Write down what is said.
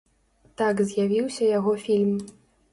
Так з'явіўся яго фільм.